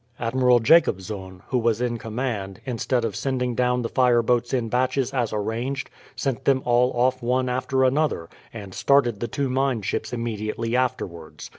Admiral Jacobzoon, who was in command, instead of sending down the fireboats in batches as arranged, sent them all off one after another, and started the two mine ships immediately afterwards.